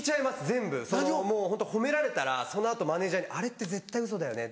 全部ホント褒められたらその後マネジャーに「あれって絶対ウソだよね？」